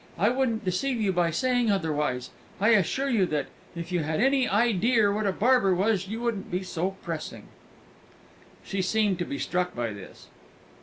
I wouldn't deceive you by saying otherwise. I assure you that, if you had any ideer what a barber was, you wouldn't be so pressing." She seemed to be struck by this.